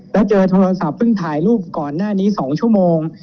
แล้วเจอโทรศัพท์เพิ่งถ่ายรูปก่อนหน้านี้๒ชั่วโมง